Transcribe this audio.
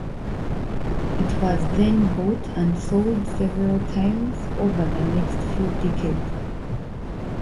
It was then bought and sold several times over the next few decades.